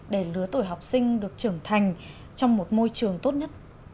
để lứa tuổi học sinh được trưởng thành trong một môi trường tốt nhất